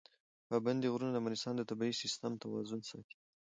پابندي غرونه د افغانستان د طبعي سیسټم توازن ساتي.